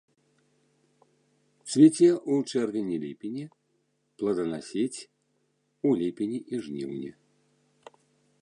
Цвіце ў чэрвені-ліпені, плоданасіць у ліпені і жніўні.